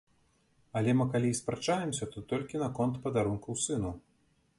Але мы калі і спрачаемся, то толькі наконт падарункаў сыну.